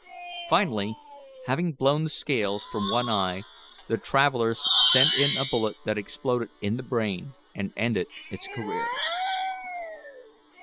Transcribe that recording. Finally, having blown the scales from one eye, the travellers sent in a bullet that exploded in the brain and ended its career.